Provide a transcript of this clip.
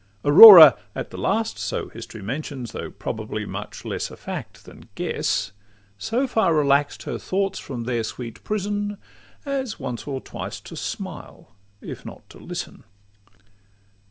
Aurora at the last (so history mentions, Though probably much less a fact than guess) So far relax'd her thoughts from their sweet prison, As once or twice to smile, if not to listen.